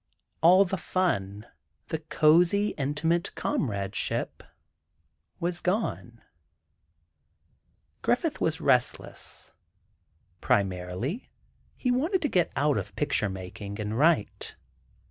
All the fun, the cozy, intimate comradeship, was gone. Griffith was restless. Primarily, he wanted to get out of picture making, and write.